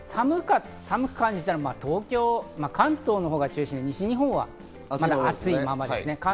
寒く感じたのは関東のほうが中心で、西日本まだ暑いままです。